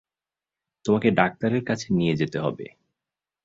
তোমাকে ডাক্তারের কাছে নিয়ে যেতে হবে।